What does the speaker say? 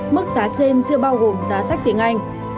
mức giá trên chưa bao gồm giá sách tiếng anh